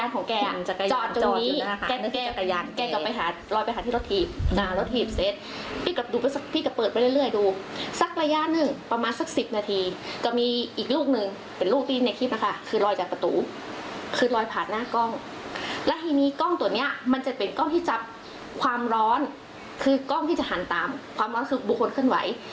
ข้อความรู้ความร้องค์คือบุคคลขึ้นไหว